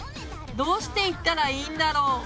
どうしていったらいいんだろう？